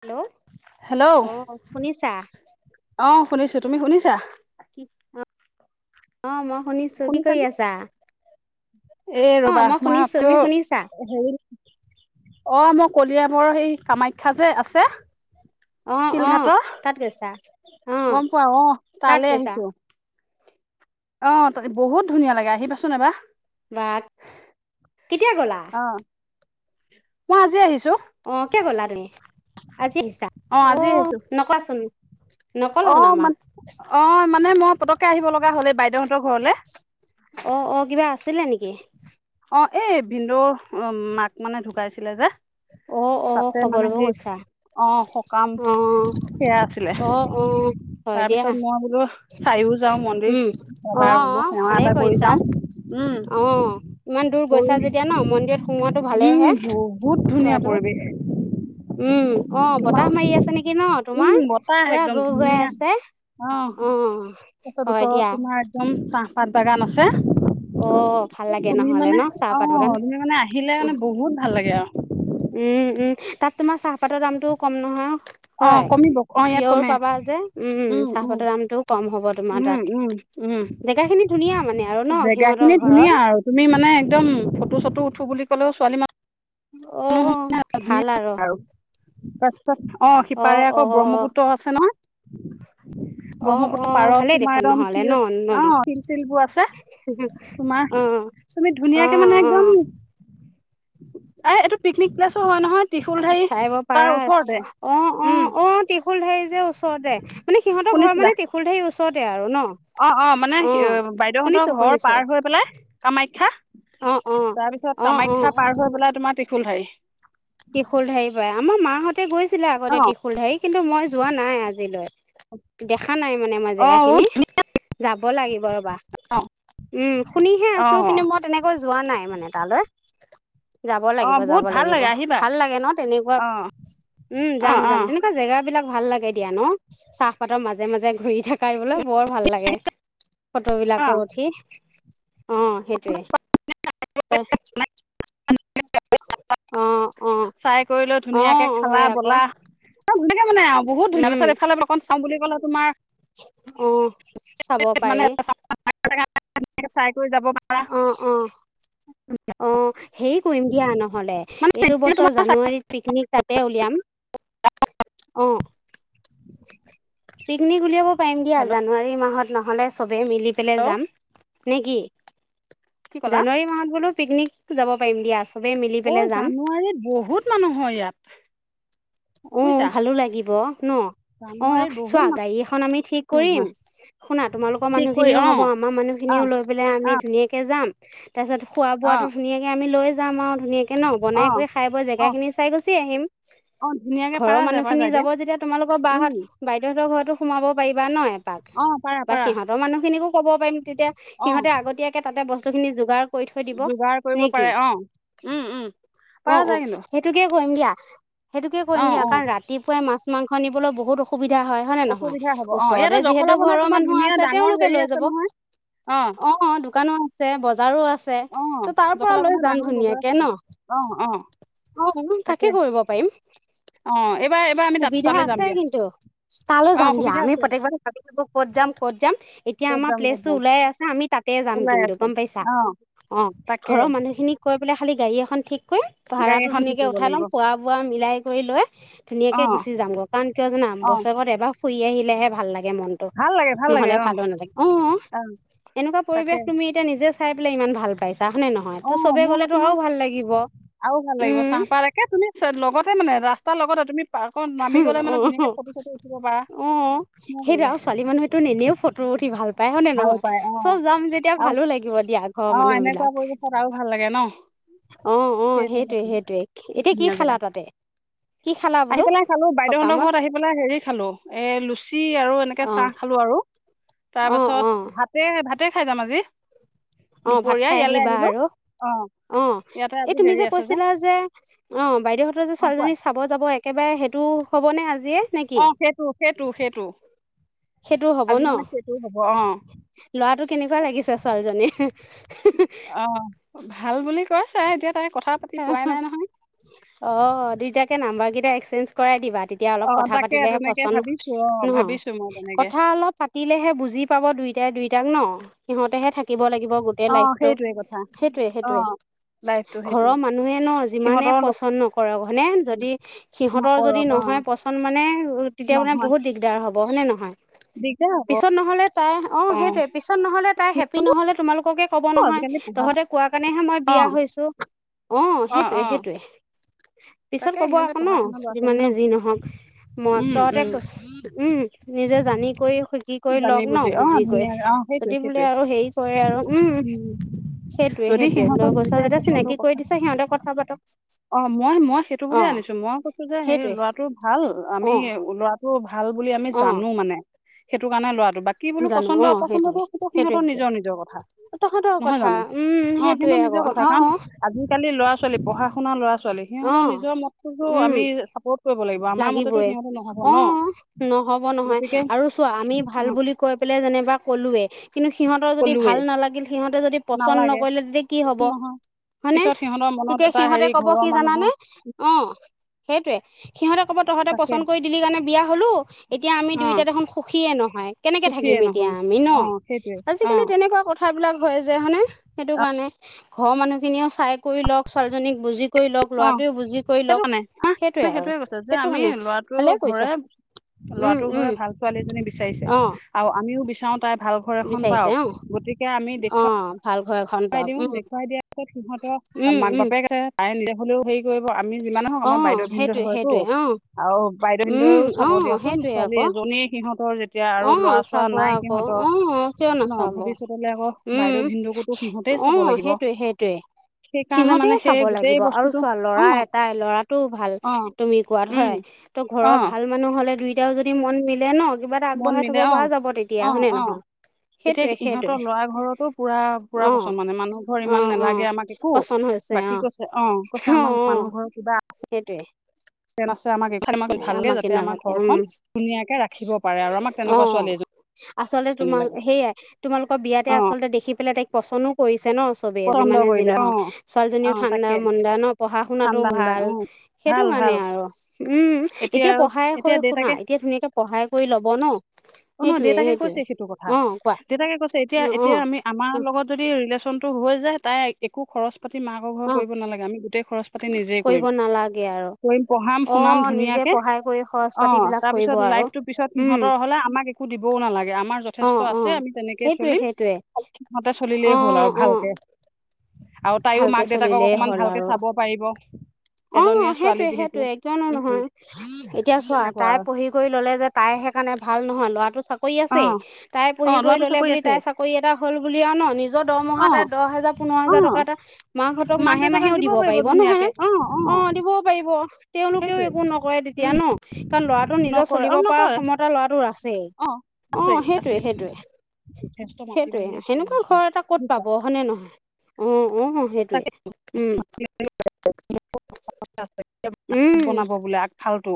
Hello hello অ শুনিছা অ শুনিছো তুমি শুনিছা কি অ অ মই শুনিছো কি কৰি শুনিছানে আছা এ অ ৰবা মই শুনিছো আকৌ তুমি শুনিছা হেৰি অ মোক কলিয়াবৰৰ সেই কামাখ্যা যে আছে আহ অ শিলঘাটৰ তাত গৈছা অ গম পোৱা অ তাত তালে গৈছা আহিছো অ বহুত ধুনীয়া লাগে আহিবাচোন এবাৰ বাাহ কেতিয়া গলা অ মই আজি আহিছো অ ক গ'লা তুমি আজি আহিছা অ আজি আহিছো নকোৱাচোন অ মানে আহ মানে মই পতককে আহিব লগা হ'ল বাইদেউহঁতৰ ঘৰলে অ অ কিবা আছিলে নেকি অ এই বিন্দুৰ অ মাক মানে ঢুকাইছিলে যে অ অ তাতে মানে খবৰব সেই কৈছা অ সকাম সেয়া আছিলে অ অ হয় দিয়া তাৰপিছত মই বোলো চাৰি যাওঁ মন্দিৰ উম অ কাৰবাৰ অ বোলো সেৱা ভালে এটা কৰি কৰিছা যাও উম অ ইমান দূৰ গৈছা যেতিয়া ন মন্দিৰত সোমোৱাটো ভালেহে উমহুত ধুনীয়া চোৱাটো পৰিৱেশ উম অ তোমাৰ বতাহ মাৰি আছে নেকি ন উম তোমাৰ বতাহ পুৰা একদম গৰু গৰাই ধুনীয়া আছে অ তাৰপাছত হয় দিয়া ওচৰত তোমাৰ একদম চাহপাত বাগান আছে অ ভাল লাগে তুমি নহলে মানে ন অ চাহপাত বাগান তুমি মানে আহিলে মানে বহুত ভাল লাগে আৰু উম উম তাত তোমাৰ চাহপাতৰ দামটো কম নহয় অ হয় কমিব অ ইয়াত পিয়ৰ কমে পাবা যে উম চাহপাতৰ দামটোও কম হ'ব তোমাৰ উম তাত উম উম জেগা খিনি ধুনীয়া মানে আৰু ন জেগা সিহঁতৰ খিনি ঘৰৰ ধুনীয়া আৰু তুমি মানে একদম ফটো চটো উঠো বুলি লেও ছোৱালী মান আহ ভাল আৰু আহ অ সিপাৰে অ আকৌ ব্ৰহ্মপুত্ৰ আছে ন অ অ ব্ৰহ্মপুত্ৰৰ পাৰত ভালেই তোমাৰ দেখোন একদম নহলে শিল ন নদী অ শিল শিল বোৰ আছে তোমাৰ অ তুমি অ ধুনীয়াকে মানে অ একদম এ এইটো পিকনিক প্াছো হয় নহয় ত্ৰিশুলধাৰী চাই তাৰ পাৰা ওচৰতে অ অ উম অ টিশুল াই যে ওচৰতে মানে সিহঁতৰ ঘৰ মান শুনিছিলা তেেখুল াৰ ওচৰতে আৰু ন অ অ মানে বাইদেউহঁতৰ শুনিছো ঘৰ শুনিছো পাৰ হৈ পেলাই কামাখ্যা অ অ তাৰপিছত অ অ কামাখ্যা পাৰ হৈ বেললে তোমাৰ ত্ৰিশুল ঠাৰি ত্ৰিশুল ঢাৰি পাই আমাৰ মাহঁতে গৈছিলে অ আগতে টিশুলধাৰী কিন্তু মই যোৱা নাই আজিলৈ দেখা নাই মানে মই অ জেগা খিনি যাব লাগিব ৰ'বা উম শুনিহে অ আছো অ কিন্তু মই তেনেকৈ যোৱা নাই মানে তালৈ যাব অ লাগিব যাব বহুত ভাল লাগিব লাগে আহিবা ভাল লাগে ন তেনেকুৱা অ উম অ যাম অ যাম তেনেকুৱা জেগা বিলাক ভাল লাগে দিয়া ন চাহপাতৰ মাজে মাজে ঘূৰি থাকাই বলৈ বৰ ভাল লাগে ফটো অ বিলাকো উঠি অ সেইটোৱে অ অ চাই কৰিলেৈ অ ধুনীয়াকে খালা হয় আকৌ বলা ত সনেকে মানে আৰু বহুত ধনীয়া পছতফালেকন চওঁ বুলি কলে তমাৰ আহ চাব মানে পাৰি চাই কৰি যাব পাৰা অ অ অ হেৰি কৰিম দিয়া নহ'লে এইটো বছৰ তোমাৰ জানুৱাৰীত পিকনিক তাতে উলিয়াম অ পিকনিক উলিয়াব পম দিয়া হেল্ল' জানুৱাৰী মাহত নহ'লে চবেই মিলি পেলাই হেল্ল' যাম নে কিি কি ক'লা? জানুৱাৰী মাহত বোলোও পিকনিক যাব পাৰিম দিয়া আ অ জানুৱাৰীত বহুত মানুহ হয় ইয়াত উ বুজিছা ভালো লাগিব ন অ জানুৱাৰীত বহুত চোৱা মানুহ গাড়ী এখন আমি ঠিক কৰিম শুনা তোমালোকৰ ঠিক কৰি মানুহখিনিও অ হব আমাৰ অ মানুহখিনিও তাৰিছ খ লৈ য অ অ আৰু ে ন অ বনাই কৰি খাই বোৱা অ জেগা খিনি চাই গুচি আহিম অ ধুনীয়াকে ঘৰৰ পাৰা যায় মানুহ পাৰা খিনি যায় দিয়া যাব যেতিয়া তোমালোকৰ উম বাহহঁত বাইদেউহঁতৰ ঘৰতো সোমাব পাৰিবা নহয় াক অ পাৰা বা পাৰা সিহঁতৰ মানুহখিনিকো ক'ব পাৰিম তেতিয়া অ সিহঁতে আগতীয়াকে তাতে বস্তু খিনি যোগাৰ কৰি থৈ দিব যোগাৰ কৰিব নেকি পাৰে অ উম উম অ পাৰা অ যায় কিন্তু সেইটোকে কৰিম দিয়া সেইটোকে অ কৰিম দিয়া অ কাৰণ ৰাতিপুৱাই মাছ মাংস নিবলৈ বহুত অসুবিধা সুবিধা হয় নে নহয় অসুবিধা হব অ ইয়াতে ওচৰতে জখলা যিহেতু বনাত ঘৰৰ তোমাৰ মানুহ ধুনীয়া আছে ডাঙৰ তেওঁওলোকে হেৰি লৈ আছে যাব নহয় অ দোকানো আছে বজাৰো আছে অ ত তাৰ পৰা জখলা লৈ বন্ধাত যাম ডাঙৰ বজাৰ ধুনীয়াকে আছে ন অ অ অ অ তাকে কৰিব পাৰিম অ এইবাৰ এইবাৰ আমি তাত তালৈ যাম দিয়া তালো অ যাম দিয়া সুবিধা আমি আছে প্ৰত্যেকবাৰ ভাবি থাকো ক'ত যাম কত যাম এতিয়া ক'ত আমাৰ যাম ক'ত প্লেচটো যাম ওলাই আছে আমি তাতে যাম ওলাই কিন্তু আছে গম পাইছা অ অ তাকে ঘৰৰ মানুহখিনিক কৈ পেলাই খালি গাড়ী এখন ঠিক কৰিৈ ভাড়াো গাড়ী এখন ঠিক ধুনাক কৰিব উাই লম লাগিব খোৱা বোৱা মিলাই ফু লৈ অ ধুনীয়াকে গুচি যামগৈ কাৰণ কিয় জানাম অ বছৰেকত এবাৰ ফুৰি আহিলেহে ভাল লাগে মনটো ভাল লাগে ভাল লাগে নহলে অ ভালো নাথাগে অ অ এনেকুৱা তাকে পৰিৱেশ তুমি এতিয়া নিজে চাই পেলাই ইমান ভাল পাইছে তাহখানে নহয় অ ত চবে মই গ'লেতো কৈছো আৰু নহয় ভাল লাগিব আৰু ভাল লাগিব উম চাহপাত একে তুমি চ- লগতে মানে ৰাস্তাৰ লগতে তুমি পাৰ্কত নামি গ'লে অ মানে ধুনীয়াকে ফটো চটো উঠিব পাৰা অ নহয় সেইটো আৰু জানো? ছোৱালী মানুহটো নিনেও ফটো পঠি ভাল পাই হ নে ভাল নহয় পায় অ চব যাম যেতিয়া আৰু ভালো লাগিব দিয়া ঘৰৰ অ মানুহ এনেকুৱা বিলাক পৰিৱেশত আৰু ভাল লাগে ন আহ আহ সেই ঠাইডোখৰ সেইটোৱে সেইটোৱে বহুত এতিয়া কি ধুনীয়া জেগা খালা তাতে কি খালা আহি বোলো পেলাই খালো বাইদেউহতৰ সকামত ঘৰত আহি পেলাই হেৰি খালো এ লুচি আৰু এনেকে অঁ চাহ খালো আৰু তাৰ অঁ পাছত অঁ ভাতে ভাতে খাই যাম আজি দুপৰীয়া ইয়ালৈ আহিলো অ ইয়াতে এই আজি তুমি হেৰি যে আছে কৈছিলা যে অ বাইদেউহতৰ যে অ কোৱা ছোৱালীজনী চাব যাব একেবাৰে সেইটো হ'বনে আজিয়ে নেকি অ সেইটো সেইটো সেইটো সেইটো হব আজি ন মানে সেইটো হ'ব অ লৰাটো কেনেকুৱা লাগিছে ছোৱালীজনী অ ভাল বুলি কৈ চা এতিয়া তাই কথা পাতি পোৱাই নাই নহয় অ দুইতাকে নাম্বাৰ কেইটা এক্সচেঞ্জ কৰাই দিবা তেতিয়া অ অলপ কথা তাকে পাতিলেহে তেনেকে পচন্দ ভাবিছো অ ন ভাবিছো মই তেনেকে কথা অলপ পাতিলেহে বুজি পাব দুইটাই দুইতাক ন সিহতে হে থাকিব লাগিব িব গোটেই অ লাইফটো সেইটোৱে কথা সেইটোয়ে অ সেইটোয়ে লাইফটো সেইটোৱে ঘৰৰ মানুহে ন যিমানে সিহঁতৰ লগ পচন্দ নকৰৰেক হনে যদি সিহঁতৰ যদি নকৰক অ নহয় পচন্দ মানে তেতিয়া মানে নহয় বহুত দিগদাৰ হ'ব হয়নেে নহয় দিগদাৰ হ'ব পিছত নহলে তাই অ সেইটয়ে পিছত নহ'লে তাই হেপি নহলে তোমালোককে কব নহয় আজিকালি পঢ়া তহঁতে কোৱা কাৰণেহে মই অ বিয়া হৈছো অ সেইটোয়ে সেইটয়ে পিছত তাকে কব সিহঁতে আকৌ ন পঢ়া শুনা ল'ৰা ছোৱালী যিমানে ন যি নহওক মই উম তহতে উম ক উম নিজে জানি কৰি শিকি কৰি জানি লওক ন অ বুজি ধুনীয়া অ কৰিৈ সেইটোৱে যদি সেইটোৱে বোলে আৰু হেৰি কৰে আৰু উম উম সেইটোৱে যদি সেইটোৱে লৈ সিহঁতৰ গৈছো দুইটাই যেতিয়া পচন্দৰ চিনাকি কথা কৰি দিছে সিহঁতে কথা পাতক অ মই মই সেইটো বুলিয় অঁ আনিছো মই কৈছো যে সেই সেইটোৱে ল'ৰাটো ভাল আমি অঁ ল'ৰাটো ভাল ভাল বুলি আমি অ জানো মানে সেইটো কাৰণে ল'ৰা বাকী বোলো জানো পচন্দ অ সেইটোৱে অপচন্দতটো স সেইটোৱে সিহঁতৰ সেইটোৱে নিজৰ নিজৰ কথা তহঁতৰ নহয় কথা জানো উম অ স সেইটোৱে আকৌ নিজৰ কথা অ কাৰ অ আজিকালি লৰা ছোৱালী পঢ়া শুনা লৰা ছোৱালী অ সিহঁতৰ নিজ নিজৰ মততো উম আমি চাপৰ্ট কৰিব লাগিব আমাৰ মতেতো লাগিবই সিহঁতে নহব অ ন নহ'ব নহয় গতিকে আৰু চোৱা আমি অ ভাল বুলি কৈ পেলাই যেনিবা কলোোৱে কিন্তু সিহঁতৰ যদি কলোৱেই ভাল নালাগিল সিহঁতে যদি পচন্দ নালাগে নকৰিলে তেতিয়া কি হ'ব নহয় হয়নেে পিছত সিহঁতৰ মনত তেতিয়া এটা সিহঁতে হেৰি কব ঘৰৰ কি মানুহৰ জানানে অ সেইটয়ে সিহঁতে কব তহঁতে তাকে পচন্দ কৰি দিলি কাৰণে বিয়া হলো এতিয়া আমি অ দুইোটা দেখোন সুখে নহয় কেনেকে থাকিম সুখীয়ে এতিয়া নহয় আমি ন অ সেইটোৱে অ আজিকালি তেনেকুৱা কথাবলাক হয় যে হয়ানে সেইটো কাৰণে ঘৰৰ মানুহখিনিও চাই কৰি লক ছোৱালীজনীক বুজি কৰি লওক অ লৰাটোৱে বুজি কৰি সেইটো লওক মানে সেইটয়ে মানে আৰু সেইটোয়ে কৈছে যে সেইটো আমি কাৰণে ল'ৰাটো ভালে কৰিৈছা ঘৰে লৰাটোৰ ঘৰে ভাল ছোৱালীজনী বিচাৰিছে অ আৰু আমিও বিচাৰ ভাল ঘৰ এখন বিচাৰিছে পাওক অ গতিকে আমি অ দেখুৱা ভাল ঘৰ এখন দেখুৱাই পাওক দিম উম দেখুৱাই দিয়াৰ পাছত উম সিহঁতৰ মাক উম বাপে কৈছে তাই নিজে হলেও হেৰি কৰিব আমি যিমান হওক অ আমাৰ বাইদেউ ভিনন্দত সেইটোৱে হয়তো সেইটোৱে অ আহ বাইদেউ বেদও উম অ চাব দিয়াচোন সেইটোৱে ছোৱালী আকৌ এজনীয়ে সিহঁত অ চাব আকৌ অ কিয় ন নাচাব ভৱিষ্যতলৈ আকৌ উম বাইদেউ ভিনদেউকোতো সিহঁতেই অ চাব লাগিব সেইটয়ে সেইটয়ে সেইকাৰণে সিহতে মানে সেই চাব গোটেই লাগিব আৰু বস্তুটো চোৱা অ লৰা এটাই লৰাটো ভাল অ তুমি কোৱাত উম হয় ত' অ ঘৰৰ ভাল মানুহ হলে দুইটাাৰও যদি মন মিলে ন কিবা এটা মন আগবঢ়াই থব মিলে অ পৰা যাব তেতিয়া অ হয়নে অ নহয় এতিয়া সেইটয়ে সেইটয়ে ইহঁতৰ ল'ৰা ঘৰতো পুৰা পুৰা অ পচন্দ মানে মানুহ ঘৰ অ ইমান অ নালাগে আমাক একো পচন্দ হৈ বাকী আ কৈছে অ কৈছে অ আমাক অ অ মানুহ ঘৰ কিবা সেইটোৱে আছে নাছে আমাক এই ভালে আমাকে যাতেমাৰ নালাগে ঘৰখনন ধুনীয়াকে ৰাখিব পাৰে আৰু আমাক তেনেকুৱা ছোৱালী এজন আচল্ততে তোমাৰ সেয়াই তোমালোকৰ বিয়াতে অ আচলতে দেখি পেলাই তাইক পচন্দও কৰিছে ছে ন চবেই পচন্দ যিমানে যি কৰিলে অ নহওক অ ছোৱালীজনীও ঠাণ্ডা তাকে মন্দা ন পঢ়া শুনাাতো ঠাণ্ডা ঠাণ্ডা অ ভাল সেইটো ভাল ভাল কাৰণে আৰু উম এতিয়া আৰু পঢ়াই এতিয়া হৈ শুনা দেউতাকে এতিয়া ধুনীয়াকে পঢ়াই কৰি ল'ব ন অ ন সেইটোৱে দেউতাকে সেইটোৱে কৈছে সেইটো কথা অ কোৱা দেউতাকে কৈছে এতিয়া অ অ এতিয়া আমি আমাৰ অ লগত যদি হৈ যে তাই একো খৰচ খৰ পাতি মাকৰ ঘৰ অ কৰিব নালাগে আমি গোটেই খৰচ পাতি নিজেই কৰিব কৰিম নালাগে আৰু কৰিম পঢ়াম অ শুনাম ধুনীয়া নিজে পঢ়াই কৰি খৰচ অ পাতিবিলাক কৰিব তাৰপিছত আৰু লাইটো পিছত উম সিহতৰ হলে আমাক একো দিবও নালাগে আ আমাৰ অ যথেষ্ট অ আছে আমি তেনেকেই সেইটোৱে চলিম সেইটোৱে ঠিকমতে অ চলিলেই হ'ল আৰু অ ভালকে। আৰু তাইও ভালকে মাক দেউতাকক চলিলেই অকমান হ'ল ভালকে আৰু চাব পাৰিব এজনী অ সেইটোয়ে সেইটোয়ে কিয়নো নহয় এতিয়া চোৱা তেনেকুৱা তাই আৰু পঢ়ি কৰি ল'লে যে তাই সেইকাৰণে ভাল নহল কৰি আছে অ', তাই পঢ়ি অ', কৰি ল'ৰাটো ল'লে চাকৰি বুলি আছে, তাইৰ চাকৰি এটা হ'ল বুলি আৰু ন নিজৰ দৰমহা অ', তাইৰ দহ হেজাৰ পোন্ধৰ হাজাৰ টকা অ', এটা মাকহঁতক মাহে মাহেও দিব পাৰিব নহয় অ দিবও পাৰিব তেওঁলোকেও সেইটোৱে, একো নকৰে তেতিয়া উম, ন কাৰণ লৰাটোৰ নিজৰ নকয় চলিব অ', পৰা নকয় ক্ষমতা ল'ৰাটোৰ আছেই অ', অ আছে আছে সেইটোৱে সেইটোৱে যথেষ্ট মাটি বাৰী সেইটোৱে আছে মানে সেনেকুৱা ঘৰ এটা ক'ত বুজিছা, পাব হয়নেে নহয় উ উ তাকে সেইটয়ে উম কথা উম বনাব বোলে আ ভালটো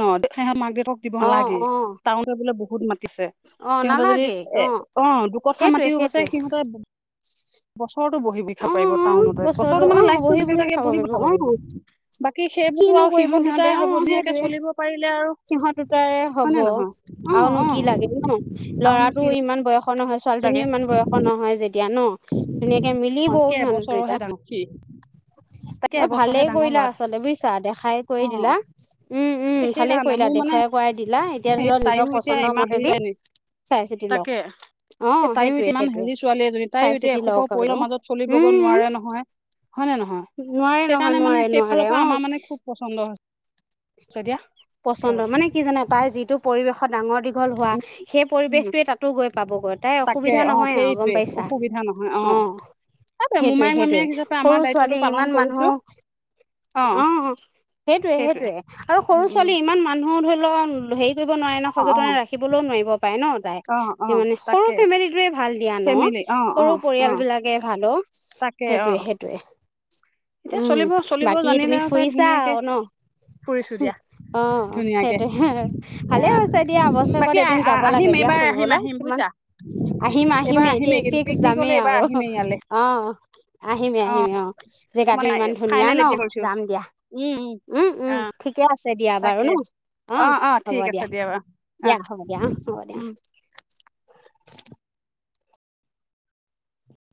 ন দেখ মাৰ্ট ক দিব অ নালাগে অ তটাউনত বোলে বহুত ম ছে অ সিহঁতে যদি নালাগে এ অ দুক খা সেইটোৱে মাতিও পছে সেইটোৱে সিহঁতে বো বহি অ বিাব পাৰিব টাউনতে বছ বছৰতো অ মানে লাইো বহি বিে খাব বহি বিঠাব অ পাৰিব বাকী কিনো সেইবোৰ কৰিব সিহঁত সিহঁতে দুটাই অ হ'ব ধুনীয়াকে সেইটোৱে চলিব পাৰিলে আৰু সিহঁত হয়নেে নহয় অ অ ল ন আৰুনো ল'ৰাতটো কি ইমান বয়স বয়স নহয় লাগে ছোৱালীজনীও ইমান বয়সৰ নহয় যেতিয়া ন ধুনীয়াকে ম লব তাকে হিনদিটা এবছৰৰহে ডাঙৰ কি তাকে অ এবছৰহে ভালেই ডাঙৰ কৰিলা ল'ৰাটো আচলতে বুজিছা দেখাই অ কৰি দিলা উম উম ভালে কৰিলা দেখুৱাই কৰাই দিলা এতিয়া ধৰি লওক নিজৰ চাইতিয়া পচন্দৰ এম হেই মতেদি নে চাই চিতি লওক তাকে অ এ তাইো সেইটোৱে এতিয়া ইমান সেইটোৱে হেৰি ছোৱালী এজনী চাই তাইও এতিয়া চিতি এসোপা লওক আৰু পৰিয়ালৰ মাজত চলিবগ উম নোৱাৰে নহয় হয় নে নহয় নোৱাৰে নহয় সেইকাৰণে মানে নোৱাৰে সেইফালৰ নোৱাৰে পৰা অ আমাৰ মানে খুব পচন্দ হৈছে দিয়া। পচন্দ মানে কি জানে তাইৰ যিটো পৰিৱেশৰ ডাঙৰ দিশ ঘল হোৱা উম, সেই উম, পৰিৱেশটোৱে তাতো গৈ পাবগৈ তাই তাকে অসুবিধা অ', নহয় আৰু গম সেইটোৱে পাইছা অসুবিধা নহয় অ সেইটোৱে সেইটয়ে মোমায়েক সেইটয়ে মামীয়েক হিচাপে সৰু আমাৰ ছোৱালী দায়িত্বটো পালন ইমান কৰিছো মানুহক অ সেইটয়ে সেইটোৱে সেইটয়ে আৰু সৰু উম, উম, ছোৱালী ইমান মানুহ ধৰি লও হেৰি কৰিব নোৱাৰে ন অ', সযতনে অ', ৰাখিবলৈও নোৱাৰিব পাৰে ন অ', যি অ', মানে সৰু তাকে ফেমিলিটে দিয়া ন ফেমিলি অ', সৰু অ', পৰিয়াল অ', বিলাকে ভালো তাকে সেইটয়ে অ', সেইটোোৱে এতিয়া চলিব উম চলিব বাকী জানিলে তুমি ফুৰিছা ন চু দয়াা অ ধুনীয়াকে সেইটোয়ে ভালে আহ হৈছে দিয়া বছৰেকত বাকী আহ এদিন যাব লাগে আহিম দিয়া এইবাৰ আহিম ফুৰিবলৈ আহিম কিমান বুজিছা উ আহিম আহিমেই দেই ফিক্স যামেই আৰু আহিমেই ইয়ালে অ। আহিমে আহিমেই অ জেগাতটো মানে ইমান ধুনীয়া ফাইনেল ন এতিয়া কৰিছো যাম দিয়া উম উম ঠিকে আছে দিয়া বাৰু তাকে ন অ হ'ব ঠিক দিয়া আছে বাৰু দিয়া অহ হ'ব দিয়া অ হ'ব দিয়া উম